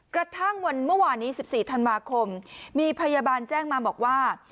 กระทั่งวันเมื่อวานนี้๑๔ธันวาคมมีพยาบาลแจ้งมาบอกว่า